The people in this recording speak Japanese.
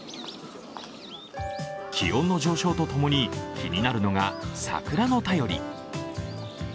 気温の上昇とともに気になるのが桜の便り。